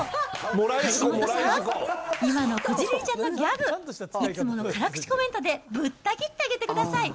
橋下さん、今のこじるりちゃんのギャグ、いつもの辛口コメントで、ぶったぎってあげてください。